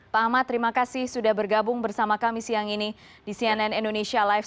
pak ahmad terima kasih sudah bergabung bersama kami siang ini di cnn indonesia live